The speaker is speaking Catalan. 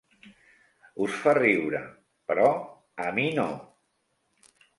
Us fa riure, però a mi no!